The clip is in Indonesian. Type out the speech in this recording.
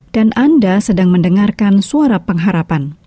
dan anda sedang mendengarkan suara pengharapan